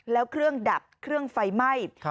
แล้วเครื่องดับเครื่องไฟไหม้